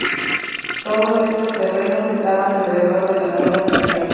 Todos esos terrenos estaban alrededor de la nueva estación.